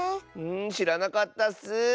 しらなかったッス！